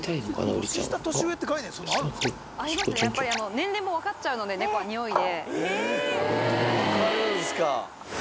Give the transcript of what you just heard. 年齢も分かっちゃうので猫はにおいで。